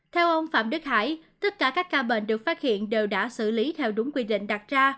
theo ông phạm đức hải tất cả các ca bệnh được phát hiện đều đã xử lý theo đúng quy định đặt ra